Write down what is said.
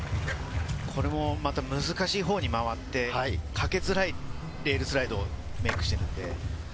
これも難しいほうに回って、かけづらいテールスライドをメイクしてるんで。